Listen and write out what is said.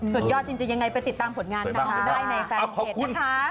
สุดยอดจริงยังไงไปติดตามผลงานของเราได้ในไซน์เท็จนะคะ